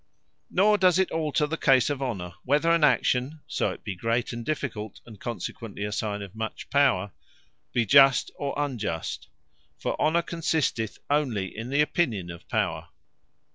Nor does it alter the case of Honour, whether an action (so it be great and difficult, and consequently a signe of much power,) be just or unjust: for Honour consisteth onely in the opinion of Power.